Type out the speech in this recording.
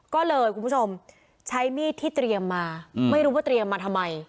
ก็เลยคุณผู้ชมใช้มีดที่เตรียมมาไม่รู้ว่าเตรียมมาทำไม